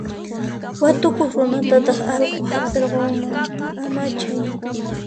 Watukuq runatataq allqu hap'irqunman, amachay.